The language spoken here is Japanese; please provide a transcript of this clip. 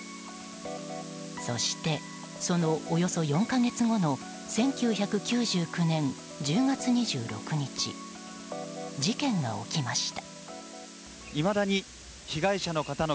そして、そのおよそ４か月後の１９９９年１０月２６日事件が起きました。